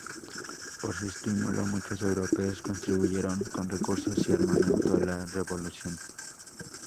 Por su estímulo muchos europeos contribuyeron con recursos y armamento a la revolución.